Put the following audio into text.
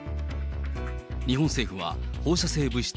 日本政府は放射性物質、